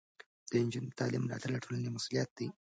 د نجونو د تعلیم ملاتړ د ټولنې مسؤلیت دی.